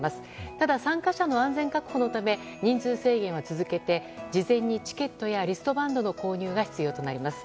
ただ、参加者の安全確保のため人数制限は続けて事前にチケットやリストバンドの購入が必要となります。